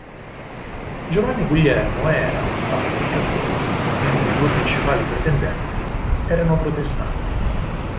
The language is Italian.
Giovanni Guglielmo era, infatti, cattolico, mentre i due principali pretendenti erano protestanti.